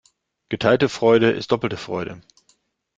Geteilte Freude ist doppelte Freude.